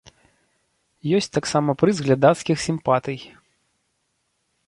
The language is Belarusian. Ёсць таксама прыз глядацкіх сімпатый.